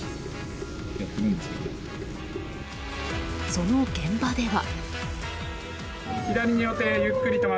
その現場では。